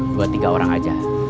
buat tiga orang aja